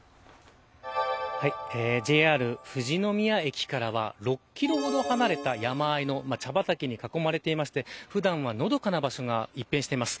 ＪＲ富士宮駅からは６キロほど離れた山あいの茶畑に囲まれていまして普段は、のどかな場所が一辺してます。